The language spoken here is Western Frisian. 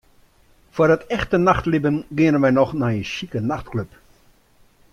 Foar it echte nachtlibben geane wy noch nei in sjike nachtklup.